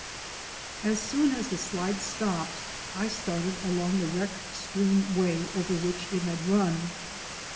As soon as the slide stopped I started along the wreck strewn way over which it had run.